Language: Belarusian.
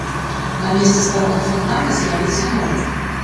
На месцы старога фантана з'явіцца новы.